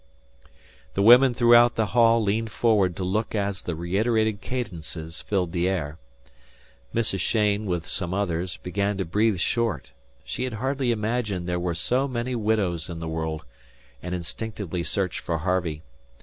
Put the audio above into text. The women throughout the hall leaned forward to look as the reiterated cadences filled the air. Mrs. Cheyne, with some others, began to breathe short; she had hardly imagined there were so many widows in the world; and instinctively searched for Harvey.